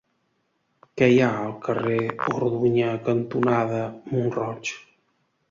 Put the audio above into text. Què hi ha al carrer Orduña cantonada Mont-roig?